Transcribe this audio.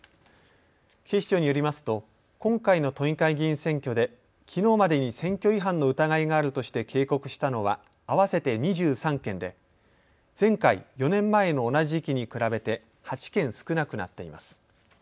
警視庁によりますと今回の都議会議員選挙できのうまでに選挙違反の疑いがあるとして警告したのは合わせて２３件で前回４年前の同じ時期に比べて８件少なくなっています。